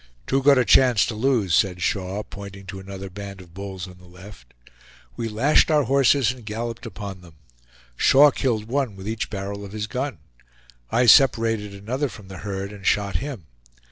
"Too good a chance to lose," said Shaw, pointing to another band of bulls on the left. We lashed our horses and galloped upon them. Shaw killed one with each barrel of his gun. I separated another from the herd and shot him.